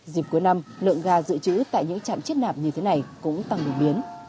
dịp cuối năm lượng gà dự trữ tại những trạm chết nạp như thế này cũng tăng đồng biến